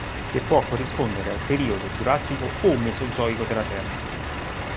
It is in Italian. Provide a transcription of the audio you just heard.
Che può corrispondere al periodo giurassico o mesozoico della Terra.